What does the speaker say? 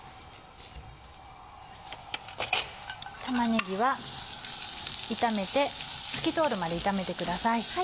玉ねぎは透き通るまで炒めてください。